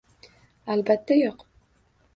Albatta, yo‘q.